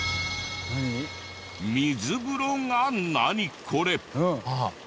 水風呂が「ナニコレ？」。